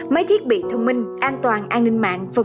mấy thiết bị thông minh an toàn an ninh mạng v v